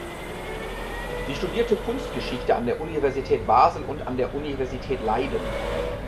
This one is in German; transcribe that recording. Sie studierte Kunstgeschichte an der Universität Basel und an der Universität Leiden.